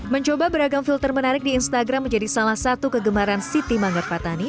mencoba beragam filter menarik di instagram menjadi salah satu kegemaran siti manggar patani